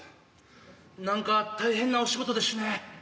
なんか大変なお仕事でしゅね。